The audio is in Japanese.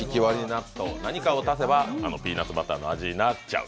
納豆、何かを足せばあのピーナッツバターの味になる。